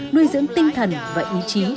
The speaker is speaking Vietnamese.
nuôi dưỡng tinh thần và ý chí